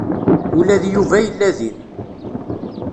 Ula d Yuba yella din.